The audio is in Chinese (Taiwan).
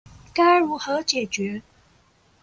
該如何解決